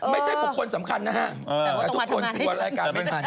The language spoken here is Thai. ไม่ใช่ปุ๊บคนสำคัญนะฮะทุกคนรายการไม่ถัน